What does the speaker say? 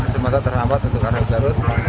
sementara terhambat untuk arus gergaji garut